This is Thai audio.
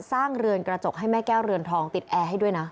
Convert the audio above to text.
เรือนกระจกให้แม่แก้วเรือนทองติดแอร์ให้ด้วยนะ